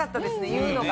言うのが。